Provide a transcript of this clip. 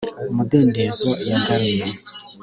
Umudendezo yagaruye